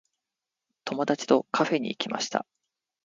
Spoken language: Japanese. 友達とカフェに行きました。